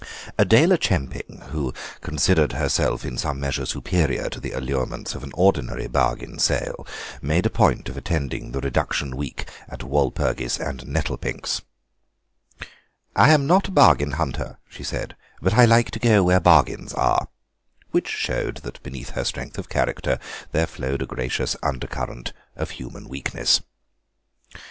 Adela Chemping, who considered herself in some measure superior to the allurements of an ordinary bargain sale, made a point of attending the reduction week at Walpurgis and Nettlepink's. "I'm not a bargain hunter," she said, "but I like to go where bargains are." Which showed that beneath her surface strength of character there flowed a gracious undercurrent of human weakness.